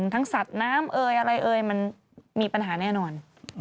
ทั้งสัตว์น้ำอะไรมันมีปัญหาแน่นอน